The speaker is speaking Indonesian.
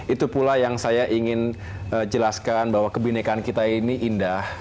itu pula yang saya ingin jelaskan bahwa kebenekaan kita ini indah